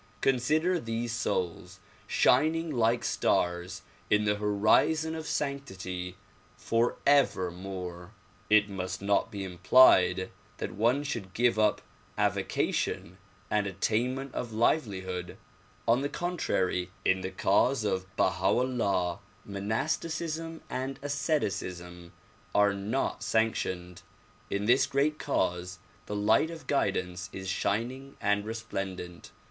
Consider these souls, shining like stars in the horizon of sanctity forevermore. It must not be implied that one should give up avocation and 182 THE PROMULGATION OF UNIVERSAL PEACE attainment of livelihood. On the contrary, in the cause of Baha 'Ullah monasticism and asceticism are not sanctioned. In this great cause the light of guidance is shining and radiant.